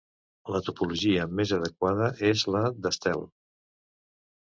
La topologia més adequada és la d'estel.